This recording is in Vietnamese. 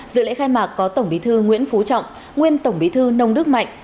dự lễ khai mạc có tổng bí thư nguyễn phú trọng nguyên tổng bí thư nông đức mạnh